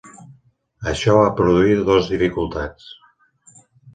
Això va produir dos dificultats.